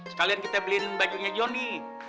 sekalian kita beliin bajunya johnny